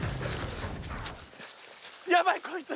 やばいこいつ。